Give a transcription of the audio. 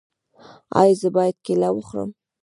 ایا زه باید کیله وخورم؟